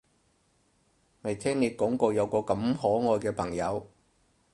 未聽你講過有個咁可愛嘅朋友